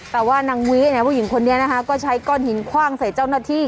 แต่ว่านางวิผู้หญิงคนนี้นะคะก็ใช้ก้อนหินคว่างใส่เจ้าหน้าที่